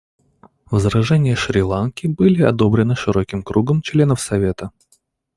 Возражения Шри-Ланки были одобрены широким кругом членов Совета.